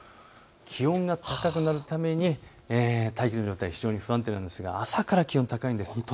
気温が高くなるために大気の状態、非常に不安定なんですが朝から気温が高いんです。